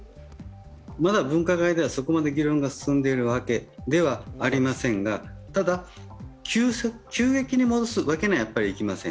まだ分科会ではそこまで議論が進んでいるわけではありませんがただ、急激に戻すわけにはいきません。